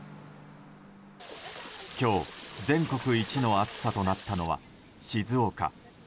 今日、全国一の暑さとなったのは静岡。